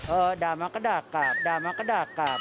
เออด่ามาก็ด่ากลับด่ามาก็ด่ากลับ